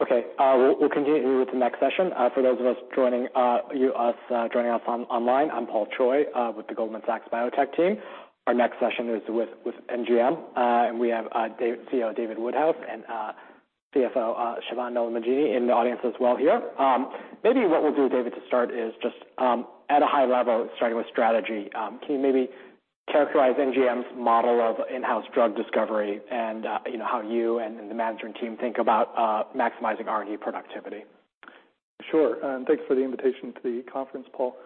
Okay, we'll continue with the next session. For those of us joining us online, I'm Paul Choi with the Goldman Sachs Biotech Team. Our next session is with NGM. We have Dave, CEO David Woodhouse, and CFO Siobhan Nolan Mangini in the audience as well here. Maybe what we'll do, David, to start is just at a high level, starting with strategy, can you maybe characterize NGM's model of in-house drug discovery and, you know, how you and the management team think about maximizing R&D productivity? Sure, thanks for the invitation to the conference, Paul.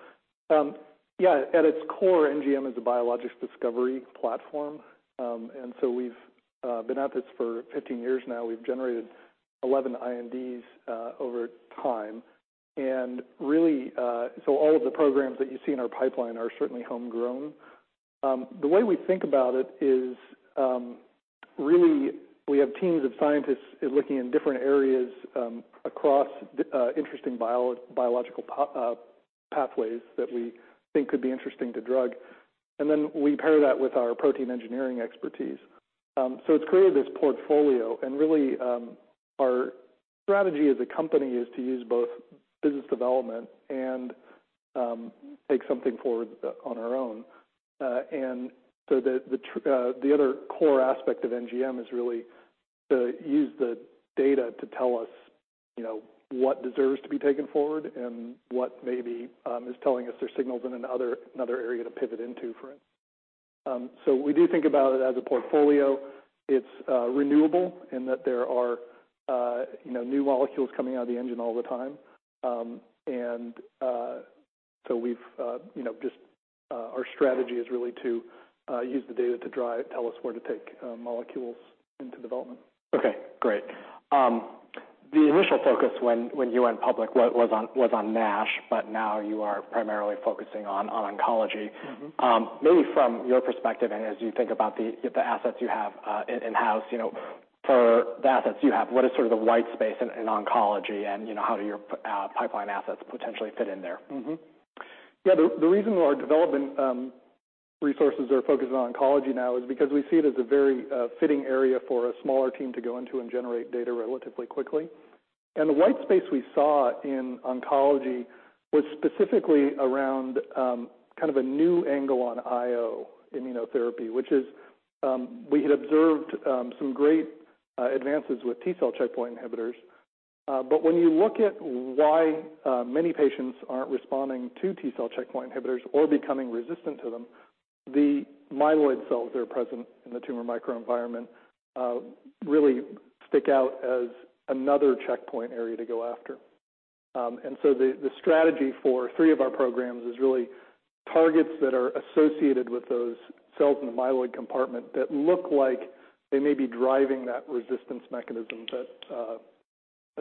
Yeah, at its core, NGM is a biologics discovery platform. We've been at this for 15 years now. We've generated 11 INDs over time. Really, all of the programs that you see in our pipeline are certainly homegrown. The way we think about it is, really, we have teams of scientists looking in different areas across interesting biological pathways that we think could be interesting to drug. Then we pair that with our protein engineering expertise. It's created this portfolio, and really, our strategy as a company is to use both business development and take something forward on our own. The other core aspect of NGM is really to use the data to tell us, you know, what deserves to be taken forward, and what maybe is telling us there's signals in another area to pivot into for it. We do think about it as a portfolio. It's renewable in that there are, you know, new molecules coming out of the engine all the time. We've, you know, just, our strategy is really to use the data to drive, tell us where to take molecules into development. Okay, great. The initial focus when you went public was on NASH. Now you are primarily focusing on oncology. Mm-hmm. Maybe from your perspective, and as you think about the assets you have, in-house, you know, for the assets you have, what is sort of the white space in oncology, and, you know, how do your pipeline assets potentially fit in there? Yeah, the reason our development resources are focused on oncology now is because we see it as a very fitting area for a smaller team to go into and generate data relatively quickly. The white space we saw in oncology was specifically around kind of a new angle on IO, immunotherapy, which is... We had observed some great advances with T-cell checkpoint inhibitors. When you look at why many patients aren't responding to T-cell checkpoint inhibitors or becoming resistant to them, the myeloid cells that are present in the tumor microenvironment really stick out as another checkpoint area to go after. The strategy for 3 of our programs is really targets that are associated with those cells in the myeloid compartment, that look like they may be driving that resistance mechanism that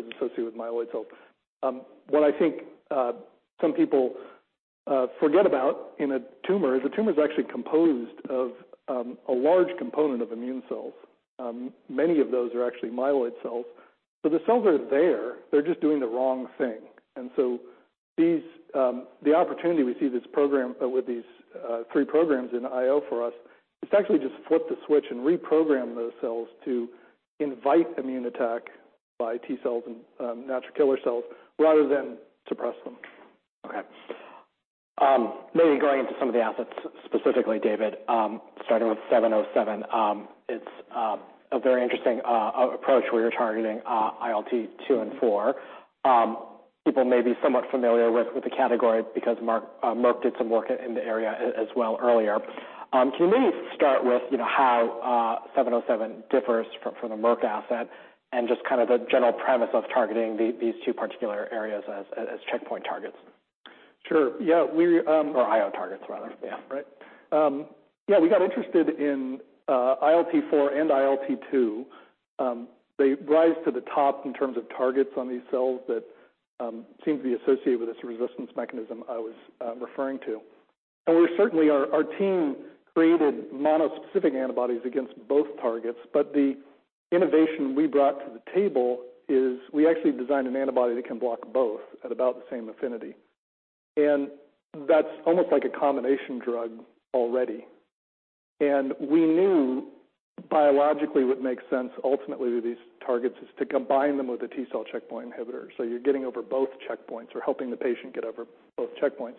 is associated with myeloid cells. What I think some people forget about in a tumor, is a tumor is actually composed of a large component of immune cells. Many of those are actually myeloid cells. The cells are there, they're just doing the wrong thing. These, the opportunity we see this program, with these 3 programs in IO for us, it's actually just flip the switch and reprogram those cells to invite immune attack by T cells and natural killer cells, rather than suppress them. Okay. Maybe going into some of the assets, specifically, David, starting with NGM707. It's a very interesting approach, where you're targeting ILT2 and ILT4. People may be somewhat familiar with the category because Merck did some work in the area as well earlier. Can you maybe start with, you know, how NGM707 differs from the Merck asset, and just kind of the general premise of targeting these 2 particular areas as checkpoint targets? Sure. Yeah, we, IO targets, rather. Yeah, right. Yeah, we got interested in ILT4 and ILT2. They rise to the top in terms of targets on these cells that seem to be associated with this resistance mechanism I was referring to. We're certainly, our team created monospecific antibodies against both targets, but the innovation we brought to the table is, we actually designed an antibody that can block both at about the same affinity. That's almost like a combination drug already. We knew biologically what makes sense ultimately with these targets, is to combine them with a T-cell checkpoint inhibitor, so you're getting over both checkpoints or helping the patient get over both checkpoints.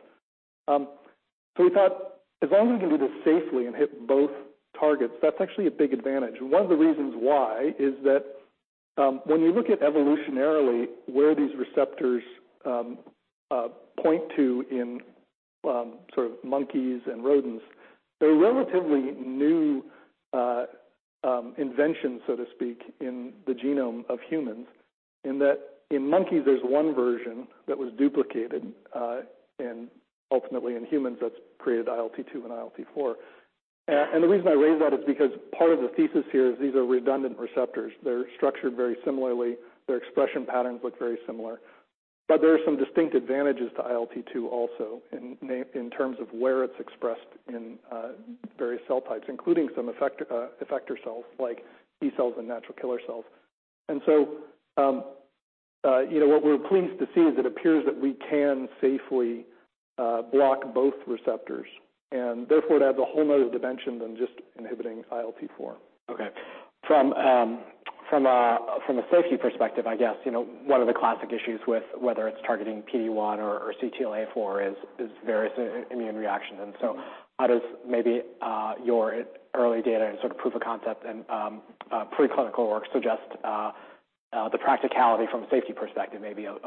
We thought, as long as we can do this safely and hit both targets, that's actually a big advantage. One of the reasons why is that, when you look at evolutionarily, where these receptors point to in sort of monkeys and rodents, they're a relatively new invention, so to speak, in the genome of humans. In that, in monkeys, there's 1 version that was duplicated, and ultimately in humans, that's created ILT2 and ILT4. The reason I raise that is because part of the thesis here is these are redundant receptors. They're structured very similarly. Their expression patterns look very similar. There are some distinct advantages to ILT2 also, in terms of where it's expressed in various cell types, including some effector cells, like B cells and natural killer cells. So. You know, what we're pleased to see is it appears that we can safely block both receptors, and therefore it adds a whole nother dimension than just inhibiting ILT4. Okay. From a safety perspective, I guess, you know, one of the classic issues with whether it's targeting PD-1 or CTLA-4 is various immune reactions. Mm-hmm. How does maybe your early data and sort of proof of concept and preclinical work suggest the practicality from a safety perspective, maybe of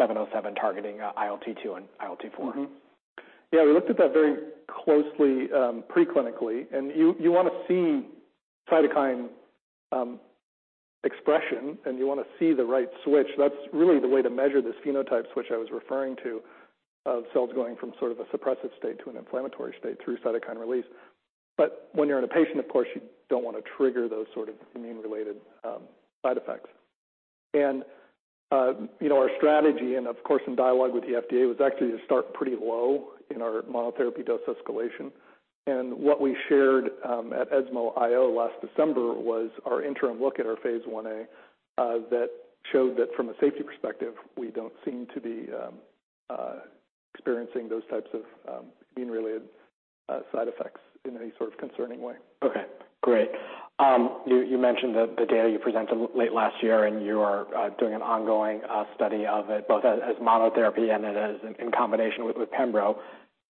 NGM707 targeting ILT2 and ILT4? Yeah, we looked at that very closely preclinically. You wanna see cytokine expression, and you wanna see the right switch. That's really the way to measure this phenotype switch I was referring to, of cells going from sort of a suppressive state to an inflammatory state through cytokine release. When you're in a patient, of course, you don't wanna trigger those sort of immune-related side effects. You know, our strategy, and, of course, in dialogue with the FDA, was actually to start pretty low in our monotherapy dose escalation. What we shared at ESMO IO last December, was our interim look at our phase I-A that showed that from a safety perspective, we don't seem to be experiencing those types of immune-related side effects in any sort of concerning way. Okay, great. You mentioned the data you presented late last year, and you are doing an ongoing study of it, both as monotherapy and as in combination with Pembro.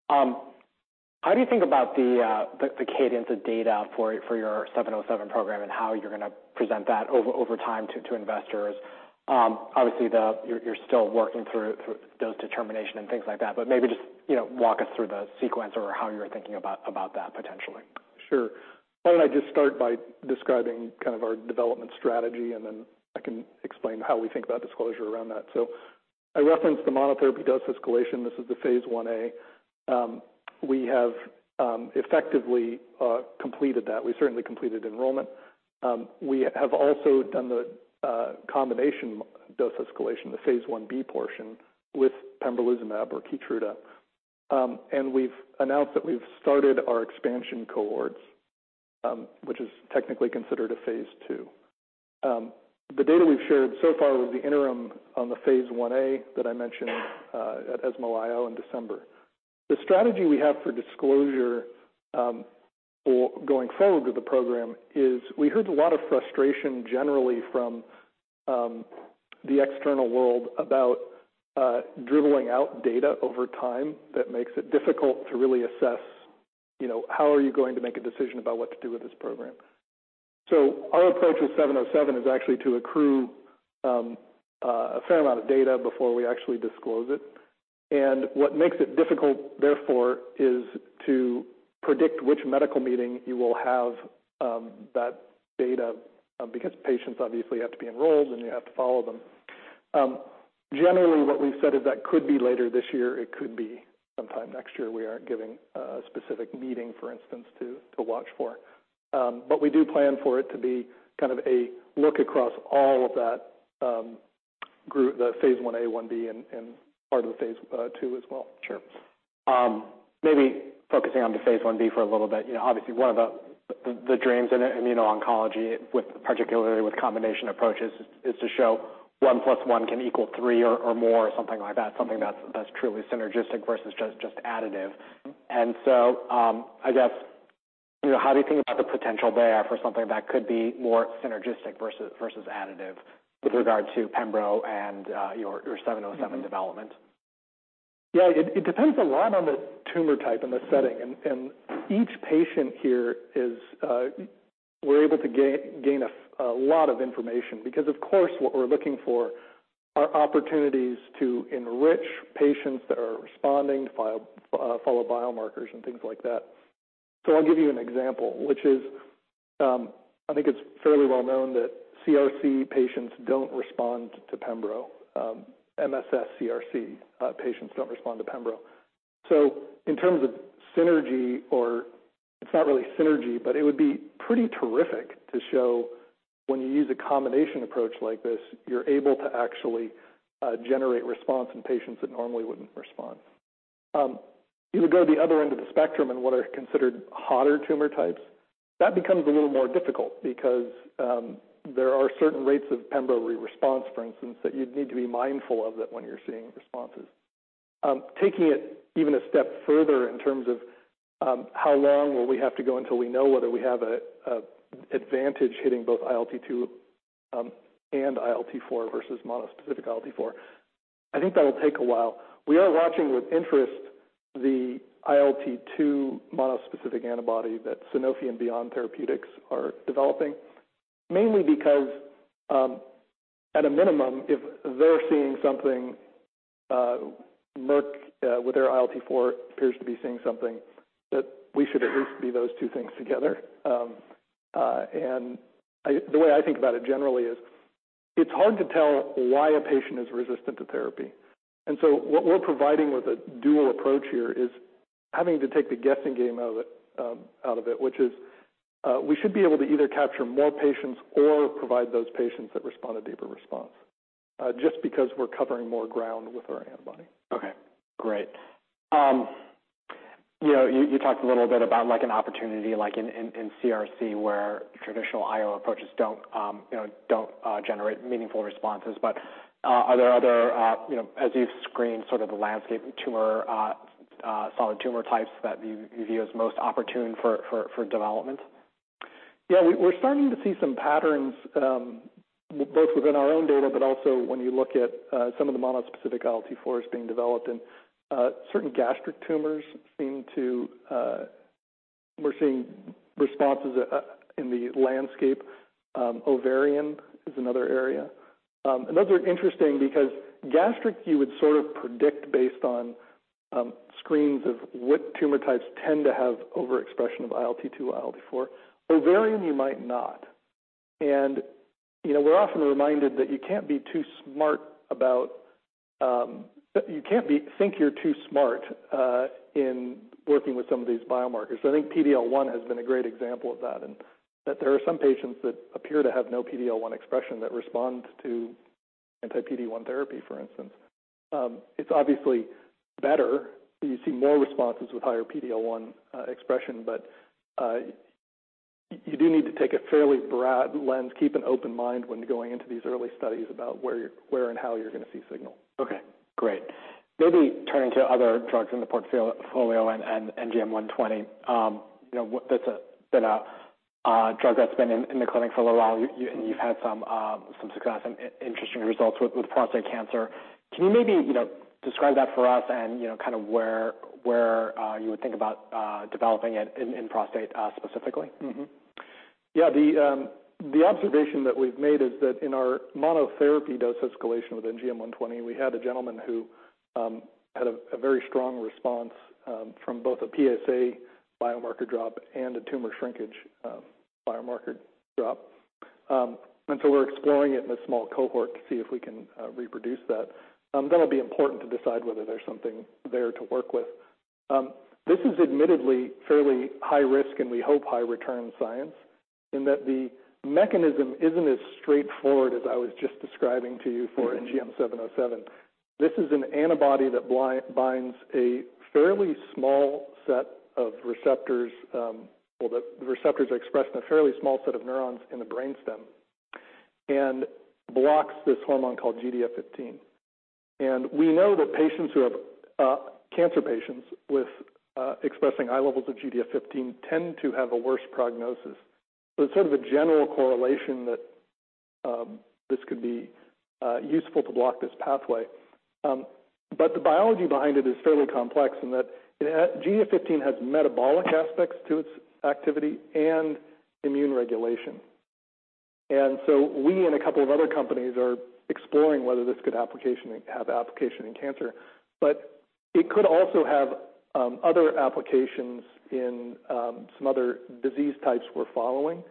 How do you think about the cadence of data for your NGM707 program, and how you're gonna present that over time to investors? Obviously, you're still working through dose determination and things like that, but maybe just, you know, walk us through the sequence or how you're thinking about that potentially. Sure. Why don't I just start by describing kind of our development strategy, and then I can explain how we think about disclosure around that? I referenced the monotherapy dose escalation. This is the phase I-A. We have effectively completed that. We certainly completed enrollment. We have also done the combination dose escalation, the phase I-B portion, with Pembrolizumab or KEYTRUDA. We've announced that we've started our expansion cohorts, which is technically considered a phase II. The data we've shared so far was the interim on the phase I-A that I mentioned at ESMO IO in December. The strategy we have for disclosure, for going forward with the program is, we heard a lot of frustration generally from the external world about dribbling out data over time that makes it difficult to really assess, you know, how are you going to make a decision about what to do with this program? Our approach with 707 is actually to accrue a fair amount of data before we actually disclose it. What makes it difficult, therefore, is to predict which medical meeting you will have that data, because patients obviously have to be enrolled, and you have to follow them. Generally, what we've said is that could be later this year, it could be sometime next year. We aren't giving a specific meeting, for instance, to watch for. We do plan for it to be kind of a look across all of that, group, the phase I-A/1-B, and part of the phase II as well. Sure. maybe focusing on the phase I-B for a little bit, you know, obviously, one of the dreams in immuno-oncology, with particularly with combination approaches, is to show 1 plus 1 can equal 3 or more, or something like that, something that's truly synergistic versus just additive. Mm-hmm. I guess, you know, how do you think about the potential there for something that could be more synergistic versus additive, with regard to Pembro and your NGM707 development? Mm-hmm. Yeah, it depends a lot on the tumor type and the setting. Mm-hmm. Each patient here is able to gain a lot of information because, of course, what we're looking for are opportunities to enrich patients that are responding, follow biomarkers and things like that. I'll give you an example, which is, I think it's fairly well known that CRC patients don't respond to Pembro. MSS CRC patients don't respond to Pembro. In terms of synergy, or it's not really synergy, but it would be pretty terrific to show when you use a combination approach like this, you're able to actually generate response in patients that normally wouldn't respond. You would go to the other end of the spectrum in what are considered hotter tumor types. That becomes a little more difficult because there are certain rates of Pembro response, for instance, that you'd need to be mindful of that when you're seeing responses. Taking it even a step further in terms of how long will we have to go until we know whether we have a advantage hitting both ILT2 and ILT4 versus monospecific ILT4, I think that'll take a while. We are watching with interest, the ILT2 monospecific antibody that Sanofi and Beyond Therapeutics are developing. Mainly because, at a minimum, if they're seeing something, Merck, with their ILT4, appears to be seeing something, that we should at least be those 2 things together. The way I think about it generally is, it's hard to tell why a patient is resistant to therapy. What we're providing with a dual approach here is having to take the guessing game out of it, which is, we should be able to either capture more patients or provide those patients that respond a deeper response. Just because we're covering more ground with our antibody. Great. You know, you talked a little bit about like an opportunity, like in CRC, where traditional IO approaches don't generate meaningful responses. Are there other, you know, as you've screened sort of the landscape solid tumor types that you view as most opportune for development? Yeah, we're starting to see some patterns, both within our own data, but also when you look at some of the mono-specific IL-4s being developed. Certain gastric tumors seem to we're seeing responses in the landscape. Ovarian is another area. Another interesting, because gastric you would sort of predict based on screens of what tumor types tend to have overexpression of ILT2, ILT4. Ovarian, you might not. You know, we're often reminded that you can't be too smart about. You can't think you're too smart in working with some of these biomarkers. I think PDL1 has been a great example of that, and that there are some patients that appear to have no PDL1 expression that respond to anti-PD-1 therapy, for instance. It's obviously better, you see more responses with higher PDL1 expression, but you do need to take a fairly broad lens, keep an open mind when going into these early studies about where and how you're gonna see signal. Okay, great. Maybe turning to other drugs in the portfolio and NGM120. you know, that's been a drug that's been in the clinic for a little while. You and you've had some success and interesting results with prostate cancer. Can you maybe, you know, describe that for us and, you know, kind of where you would think about developing it in prostate specifically? Mm-hmm. Yeah, the observation that we've made is that in our monotherapy dose escalation with NGM120, we had a gentleman who had a very strong response from both a PSA biomarker drop and a tumor shrinkage biomarker drop. We're exploring it in a small cohort to see if we can reproduce that. That'll be important to decide whether there's something there to work with. This is admittedly fairly high risk, and we hope high return science, in that the mechanism isn't as straightforward as I was just describing to you for-. Mm-hmm NGM707. This is an antibody that binds a fairly small set of receptors. Well, the receptors are expressed in a fairly small set of neurons in the brainstem and blocks this hormone called GDF15. We know that patients who have cancer patients with expressing high levels of GDF15 tend to have a worse prognosis. It's sort of a general correlation that this could be useful to block this pathway. The biology behind it is fairly complex, in that GDF15 has metabolic aspects to its activity and immune regulation. We and a couple of other companies are exploring whether this could have application in cancer. It could also have other applications in some other disease types we're following.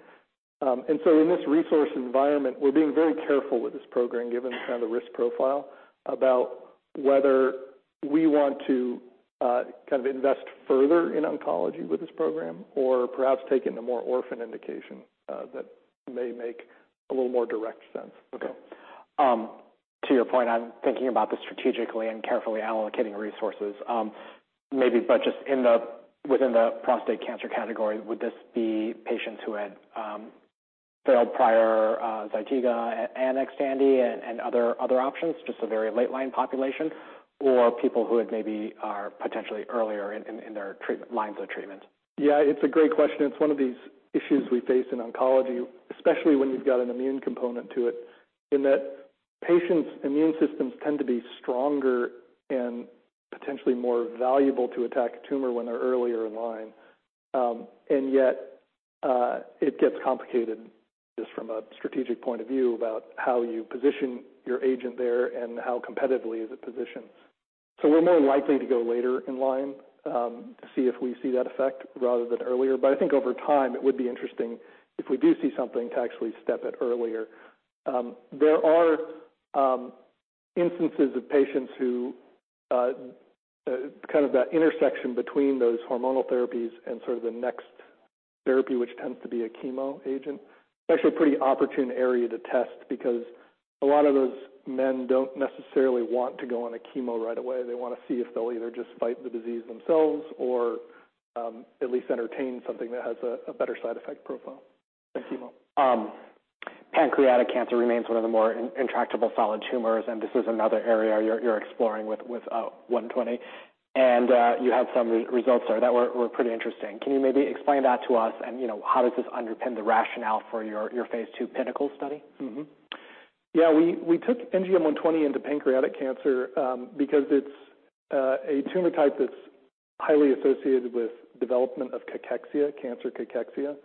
In this resource environment, we're being very careful with this program, given kind of the risk profile, about whether we want to, kind of invest further in oncology with this program or perhaps take it into more orphan indication, that may make a little more direct sense. To your point on thinking about this strategically and carefully allocating resources, maybe, but just within the prostate cancer category, would this be patients who had failed prior Zytiga and Xtandi and other options, just a very late line population, or people who had maybe are potentially earlier in their lines of treatment? Yeah, it's a great question. It's one of these issues we face in oncology, especially when you've got an immune component to it, in that patients' immune systems tend to be stronger and potentially more valuable to attack a tumor when they're earlier in line. It gets complicated just from a strategic point of view about how you position your agent there and how competitively is it positioned. We're more likely to go later in line to see if we see that effect rather than earlier. I think over time, it would be interesting if we do see something to actually step it earlier. There are instances of patients who kind of that intersection between those hormonal therapies and sort of the next therapy, which tends to be a chemo agent. It's actually a pretty opportune area to test because a lot of those men don't necessarily want to go on a chemo right away. They want to see if they'll either just fight the disease themselves or, at least entertain something that has a better side effect profile than chemo. Pancreatic cancer remains one of the more intractable solid tumors, this is another area you're exploring with 120. You had some results there that were pretty interesting. Can you maybe explain that to us? You know, how does this underpin the rationale for your phase II PINNACLE study? Yeah, we took NGM120 into pancreatic cancer because it's a tumor type that's highly associated with development of cachexia, cancer cachexia.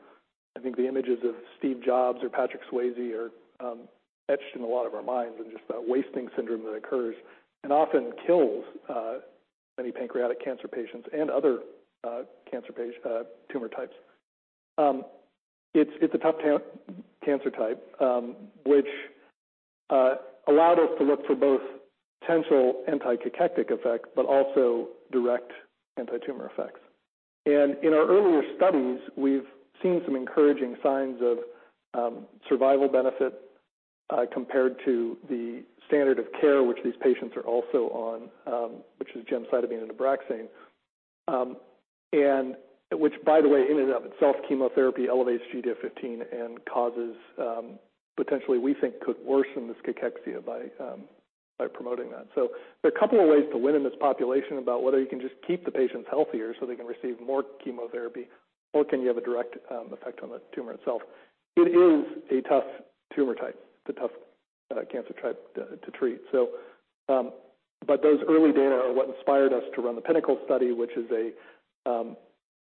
I think the images of Steve Jobs or Patrick Swayze are etched in a lot of our minds and just that wasting syndrome that occurs and often kills many pancreatic cancer patients and other cancer tumor types. It's a tough cancer type which allowed us to look for both potential anti-cachectic effects, but also direct anti-tumor effects. In our earlier studies, we've seen some encouraging signs of survival benefit compared to the standard of care, which these patients are also on, which is gemcitabine and Abraxane. Which, by the way, in and of itself, chemotherapy elevates GDF-15 and causes, potentially, we think could worsen this cachexia by promoting that. There are a couple of ways to win in this population about whether you can just keep the patients healthier so they can receive more chemotherapy, or can you have a direct effect on the tumor itself? It is a tough tumor type. It's a tough cancer type to treat. Those early data are what inspired us to run the PINNACLE study, which is a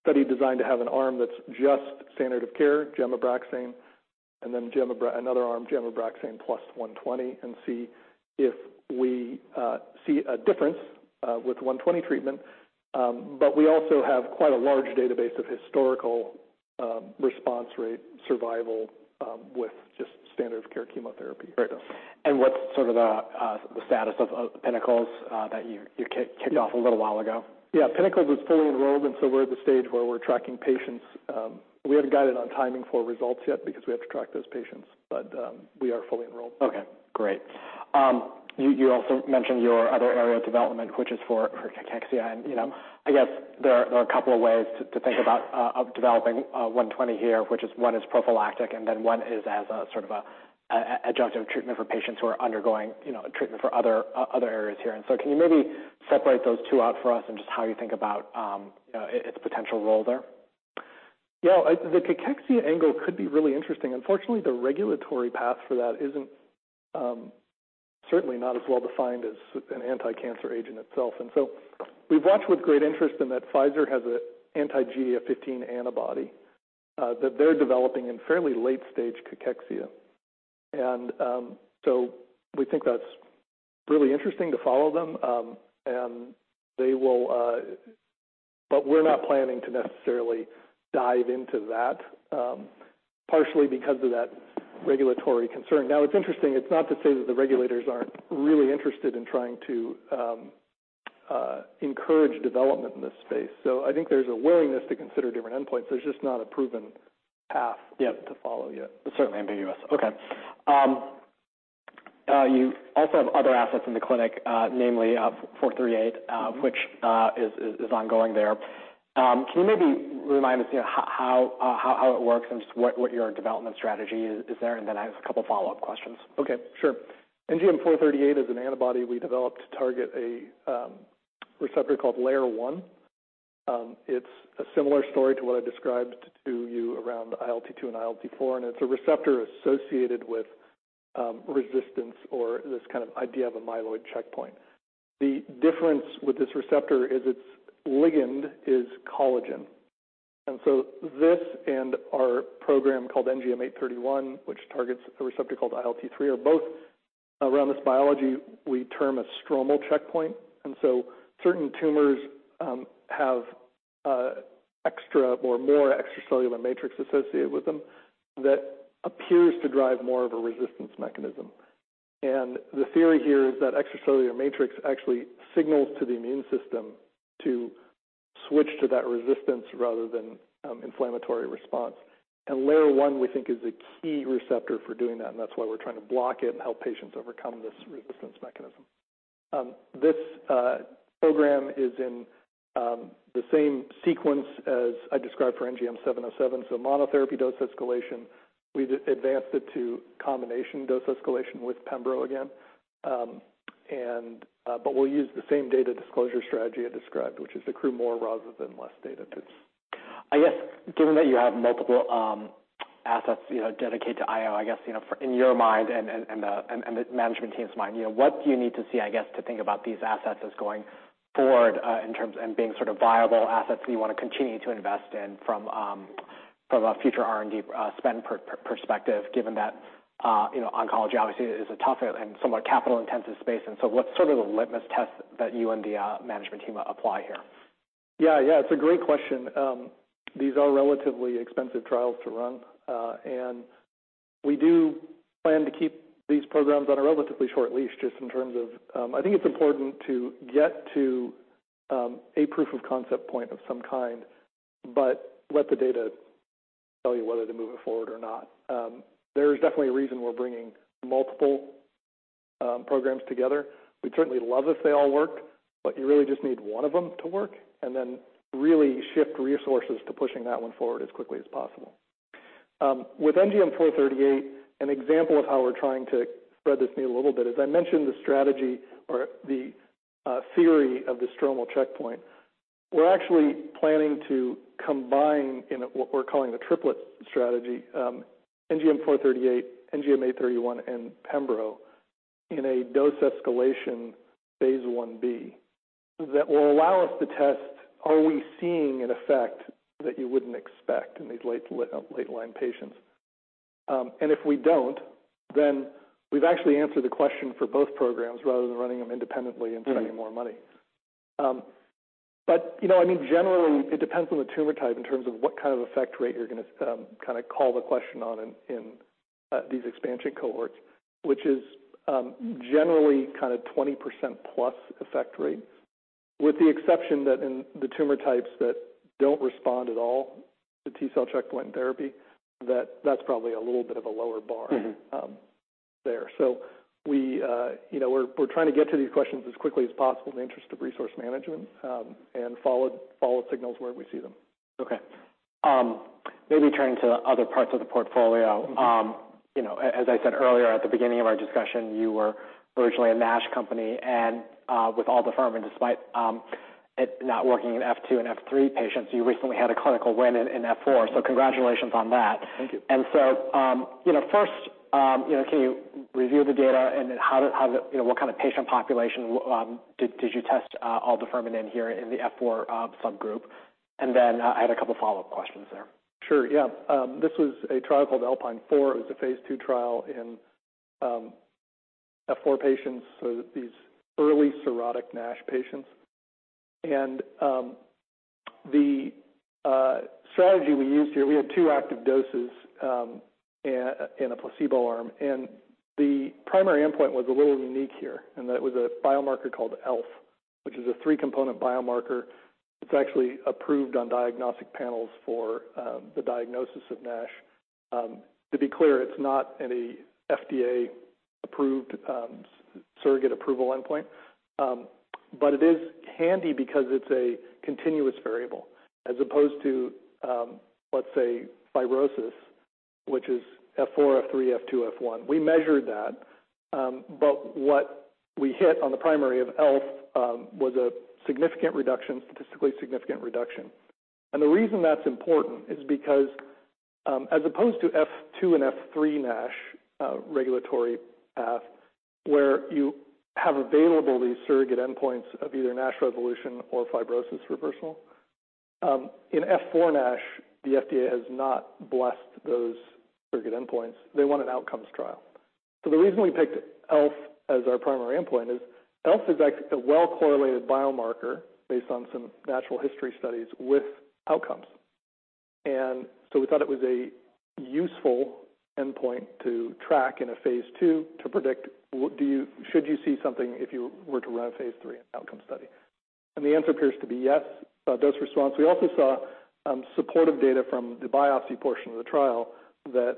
study designed to have an arm that's just standard of care, Gemabraxane, another arm, gemabraxane plus NGM120, and see if we see a difference with NGM120 treatment. We also have quite a large database of historical response rate survival with just standard of care chemotherapy. Great. What's sort of the status of the PINNACLE that you kicked? Yeah Kicked off a little while ago? PINNACLE was fully enrolled, and so we're at the stage where we're tracking patients. We haven't guided on timing for results yet because we have to track those patients, but we are fully enrolled. Okay, great. You also mentioned your other area of development, which is for cachexia. You know, I guess there are a couple of ways to think about. Yeah of developing NGM120 here, which is, 1, is prophylactic, and then 1 is as a sort of an adjunctive treatment for patients who are undergoing, you know, treatment for other areas here. Can you maybe separate those 2 out for us and just how you think about its potential role there? Yeah, The cachexia angle could be really interesting. Unfortunately, the regulatory path for that isn't certainly not as well-defined as an anticancer agent itself. We've watched with great interest in that Pfizer has an anti-GDF15 antibody that they're developing in fairly late-stage cachexia. We think that's really interesting to follow them. And they will... We're not planning to necessarily dive into that partially because of that regulatory concern. It's interesting. It's not to say that the regulators aren't really interested in trying to encourage development in this space. I think there's a willingness to consider different endpoints. There's just not a proven path. Yeah to follow yet. It's certainly ambiguous. Okay. You also have other assets in the clinic, namely NGM438. Mm-hmm... which is ongoing there. Can you maybe remind us, you know, how it works and just what your development strategy is there? I have a couple follow-up questions. Okay, sure. NGM438 is an antibody we developed to target a receptor called LAIR1. It's a similar story to what I described to you around ILT2 and ILT4, and it's a receptor associated with resistance or this kind of idea of a myeloid checkpoint. The difference with this receptor is its ligand is collagen. This and our program called NGM831, which targets a receptor called ILT3, are both around this biology we term a stromal checkpoint. Certain tumors have extra or more extracellular matrix associated with them that appears to drive more of a resistance mechanism. The theory here is that extracellular matrix actually signals to the immune system to switch to that resistance rather than inflammatory response. LAIR1, we think, is a key receptor for doing that, and that's why we're trying to block it and help patients overcome this resistance mechanism. This program is in the same sequence as I described for NGM707, so monotherapy dose escalation. We've advanced it to combination dose escalation with pembro again. We'll use the same data disclosure strategy I described, which is accrue more rather than less data points. I guess, given that you have multiple assets, you know, dedicated to IO, I guess, you know, for, in your mind and the management team's mind, you know, what do you need to see, I guess, to think about these assets as going forward, in terms of and being sort of viable assets that you wanna continue to invest in from a future R&D spend perspective, given that, you know, oncology obviously is a tough and somewhat capital-intensive space? What's sort of the litmus test that you and the management team apply here? Yeah, it's a great question. These are relatively expensive trials to run, we do plan to keep these programs on a relatively short leash, just in terms of... I think it's important to get to a proof of concept point of some kind, but let the data tell you whether to move it forward or not. There's definitely a reason we're bringing multiple programs together. We'd certainly love if they all work, but you really just need one of them to work and then really shift resources to pushing that 1 forward as quickly as possible. With NGM438, an example of how we're trying to spread this need a little bit, as I mentioned, the strategy or the theory of the stromal checkpoint, we're actually planning to combine in a, what we're calling the triplet strategy, NGM438, NGM831, and pembro in a dose escalation phase 1-B. That will allow us to test, are we seeing an effect that you wouldn't expect in these late-line patients? If we don't, then we've actually answered the question for both programs rather than running them independently. Mm-hmm... and spending more money. You know, I mean, generally, it depends on the tumor type in terms of what kind of effect rate you're gonna kind of call the question on in these expansion cohorts, which is, generally kind of 20% plus effect rate. With the exception that in the tumor types that don't respond at all to T-cell checkpoint therapy, that's probably a little bit of a lower bar. Mm-hmm. There. We, you know, we're trying to get to these questions as quickly as possible in the interest of resource management, and follow signals where we see them. Maybe turning to other parts of the portfolio. Mm-hmm. you know, as I said earlier, at the beginning of our discussion, you were originally a NASH company and with Aldafermin, despite it not working in F2 and F3 patients, you recently had a clinical win in F4. Congratulations on that. Thank you. You know, first, you know, can you review the data, how the, you know, what kind of patient population did you test Aldafermin in here in the F4 subgroup? I had a couple follow-up questions there. Sure, yeah. This was a trial called ALPINE 4. It was a phase II trial in F4 patients, so these early cirrhotic NASH patients. The strategy we used here, we had 2 active doses, and a placebo arm, and the primary endpoint was a little unique here, and that was a biomarker called ELF, which is a 3-component biomarker. It's actually approved on diagnostic panels for the diagnosis of NASH. To be clear, it's not any FDA-approved surrogate approval endpoint, but it is handy because it's a continuous variable, as opposed to, let's say, fibrosis, which is F4, F3, F2, F1. We measured that. What we hit on the primary of ELF, was a significant reduction, statistically significant reduction. The reason that's important is because, as opposed to F2 and F3 NASH regulatory path, where you have available these surrogate endpoints of either NASH resolution or fibrosis reversal, in F4 NASH, the FDA has not blessed those surrogate endpoints. They want an outcomes trial. The reason we picked ELF as our primary endpoint is, ELF is a well-correlated biomarker based on some natural history studies with outcomes. We thought it was a useful endpoint to track in a phase II, to predict should you see something if you were to run a phase III outcome study? The answer appears to be yes, dose response. We also saw supportive data from the biopsy portion of the trial that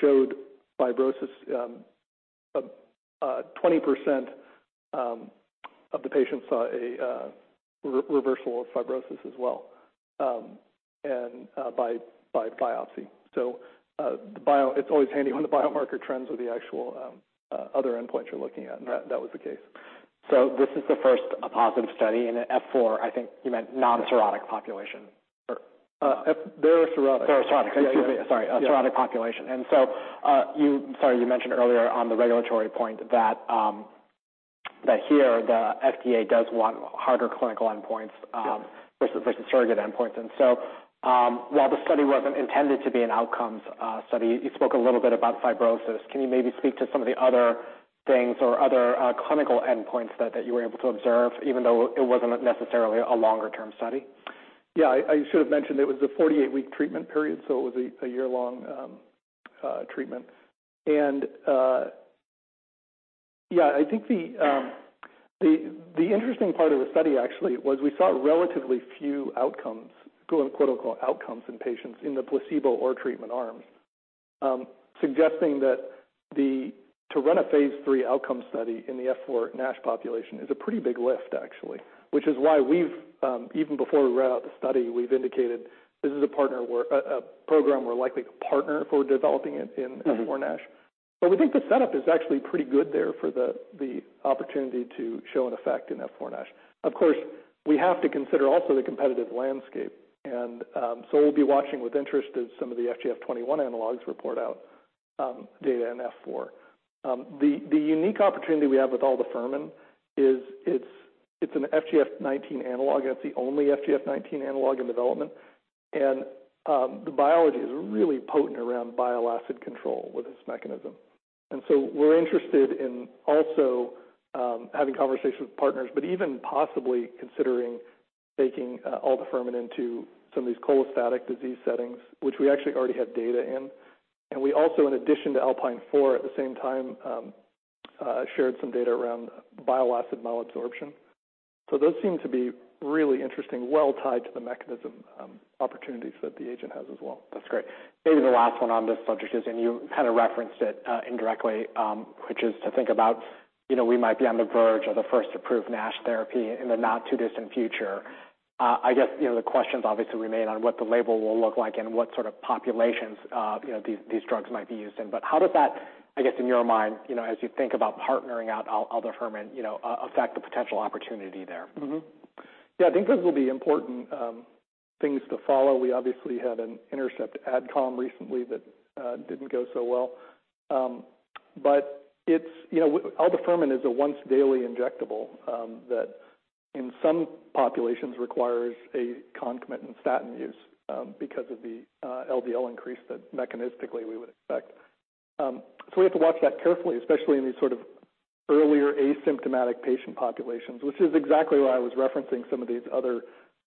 showed fibrosis. 20% of the patients saw a reversal of fibrosis as well, and by biopsy. It's always handy when the biomarker trends with the actual other endpoints you're looking at, and that was the case. This is the 1st positive study in F4, I think you meant non-cirrhotic population, or... They're cirrhotic. They're cirrhotic. Yeah, yeah. Excuse me. Sorry. Yeah. cirrhotic population. sorry, you mentioned earlier on the regulatory point that here, the FDA does want harder clinical endpoints- Yeah. versus surrogate endpoints. While the study wasn't intended to be an outcomes, study, you spoke a little bit about fibrosis. Can you maybe speak to some of the other things or other, clinical endpoints that you were able to observe, even though it wasn't necessarily a longer-term study? I should have mentioned, it was a 48-week treatment period, so it was a year-long treatment. Yeah, I think the interesting part of the study actually was we saw relatively few outcomes, quote, unquote, "outcomes in patients" in the placebo or treatment arms. Suggesting that to run a phase III outcome study in the F4 NASH population is a pretty big lift, actually, which is why we've, even before we ran out the study, we've indicated this is a partner we're a program we're likely to partner for developing it in. Mm-hmm. F4 NASH. We think the setup is actually pretty good there for the opportunity to show an effect in F4 NASH. Of course, we have to consider also the competitive landscape, so we'll be watching with interest as some of the FGF21 analogs report out data in F4. The unique opportunity we have with Aldafermin is, it's an FGF19 analog. It's the only FGF19 analog in development, the biology is really potent around bile acid control with this mechanism. So we're interested in also having conversations with partners, but even possibly considering taking Aldafermin into some of these cholestatic disease settings, which we actually already have data in. We also, in addition to ALPINE 4, at the same time, shared some data around bile acid malabsorption. Those seem to be really interesting, well-tied to the mechanism, opportunities that the agent has as well. That's great. Maybe the last 1 on this subject is, and you kind of referenced it, indirectly, which is to think about, you know, we might be on the verge of the 1st approved NASH therapy in the not-too-distant future. I guess, you know, the questions obviously remain on what the label will look like and what sort of populations, you know, these drugs might be used in. How does that, I guess, in your mind, you know, as you think about partnering out Aldafermin, you know, affect the potential opportunity there? Yeah, I think those will be important things to follow. We obviously had an Intercept AdCom recently that didn't go so well. But it's, you know, Aldafermin is a once-daily injectable that in some populations requires a concomitant statin use because of the LDL increase that mechanistically we would expect. So we have to watch that carefully, especially in these sort of earlier asymptomatic patient populations, which is exactly why I was referencing some of these other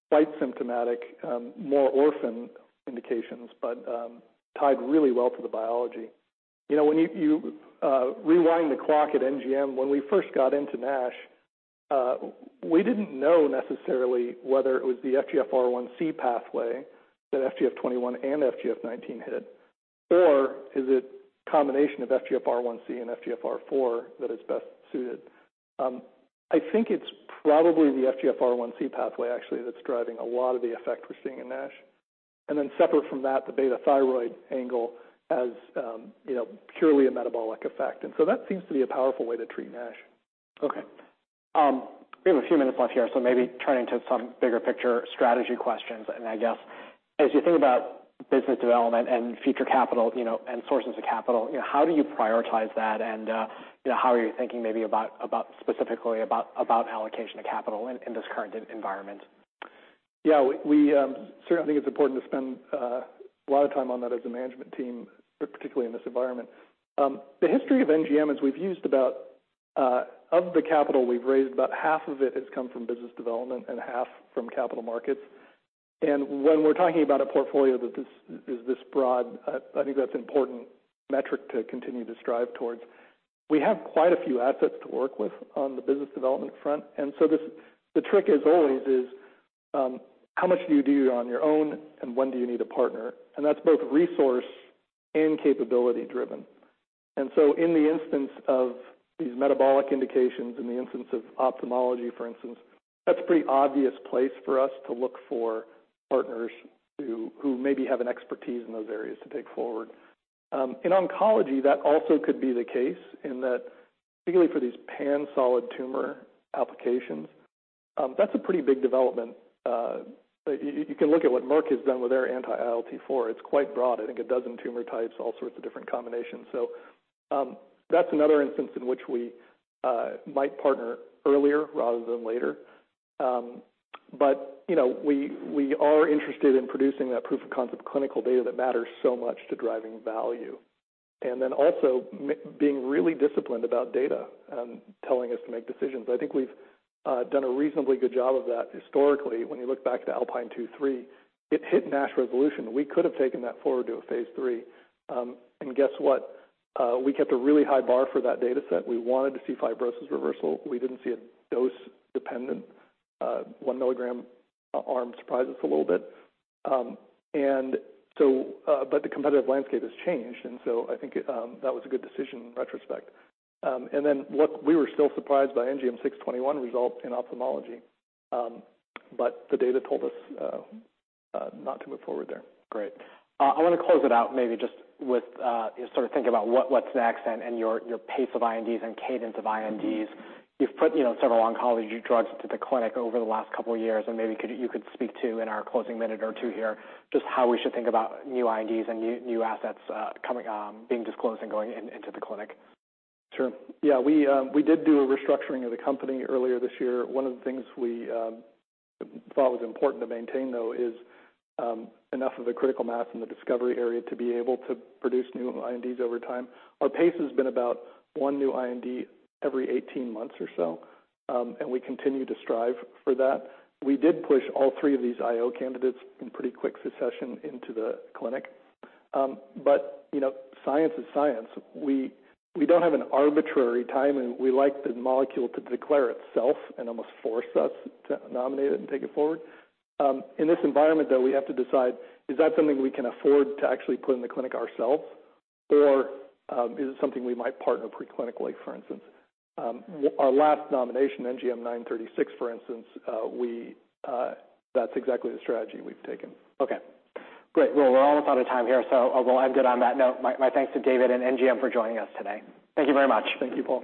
slight symptomatic, more orphan indications, but tied really well to the biology. You know, when you rewind the clock at NGM, when we 1st got into NASH, we didn't know necessarily whether it was the FGFR1C pathway that FGF21 and FGF19 hit, or is it a combination of FGFR1C and FGFR4 that is best suited? I think it's probably the FGFR1C pathway, actually, that's driving a lot of the effect we're seeing in NASH. Separate from that, the beta thyroid angle has, you know, purely a metabolic effect. That seems to be a powerful way to treat NASH. Okay. We have a few minutes left here, so maybe turning to some bigger picture strategy questions. As you think about business development and future capital, you know, and sources of capital, you know, how do you prioritize that? You know, how are you thinking maybe about specifically about allocation of capital in this current environment? Yeah, we certainly think it's important to spend a lot of time on that as a management team, particularly in this environment. The history of NGM, as we've used about of the capital we've raised, about half of it has come from business development and half from capital markets. When we're talking about a portfolio that is this broad, I think that's an important metric to continue to strive towards. We have quite a few assets to work with on the business development front, the trick is always is how much do you do on your own and when do you need a partner? That's both resource and capability-driven. In the instance of these metabolic indications, in the instance of ophthalmology, for instance, that's a pretty obvious place for us to look for partners who maybe have an expertise in those areas to take forward. In oncology, that also could be the case in that, particularly for these pan-solid tumor applications, that's a pretty big development. You can look at what Merck has done with their anti-IL-4. It's quite broad, I think a dozen tumor types, all sorts of different combinations. That's another instance in which we might partner earlier rather than later. You know, we are interested in producing that proof of concept, clinical data that matters so much to driving value. Then also being really disciplined about data, telling us to make decisions. I think we've done a reasonably good job of that historically. When you look back to ALPINE 2/3, it hit NASH resolution. We could have taken that forward to a phase III. Guess what? We kept a really high bar for that data set. We wanted to see fibrosis reversal. We didn't see a dose dependent, 1 milligram arm surprised us a little bit. The competitive landscape has changed, and so I think that was a good decision in retrospect. Look, we were still surprised by NGM621 results in ophthalmology, but the data told us not to move forward there. Great. I want to close it out, maybe just with sort of thinking about what's next and your pace of INDs and cadence of INDs. You've put, you know, several oncology drugs into the clinic over the last couple of years, and maybe could, you could speak to, in our closing minute or 2 here, just how we should think about new INDs and new assets coming being disclosed and going into the clinic. Sure. Yeah, we did do a restructuring of the company earlier this year. One of the things we thought was important to maintain, though, is enough of the critical mass in the discovery area to be able to produce new INDs over time. Our pace has been about 1 new IND every 18 months or so. We continue to strive for that. We did push all 3 of these IO candidates in pretty quick succession into the clinic. You know, science is science. We don't have an arbitrary time. We like the molecule to declare itself and almost force us to nominate it and take it forward. In this environment, though, we have to decide, is that something we can afford to actually put in the clinic ourselves, or is it something we might partner preclinically, for instance? Our last nomination, NGM936, for instance, we, that's exactly the strategy we've taken. Okay, great. We're all out of time here, so although I'm good on that note, my thanks to David and NGM for joining us today. Thank you very much. Thank you, Paul.